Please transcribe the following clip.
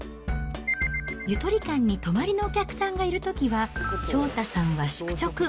ゆとり館に泊まりのお客さんがいるときは、祥太さんは宿直。